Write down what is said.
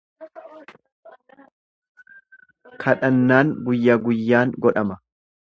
Kadhannaan guyyaa guyyaan godhama.